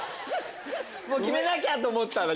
決めなきゃ！と思ったの？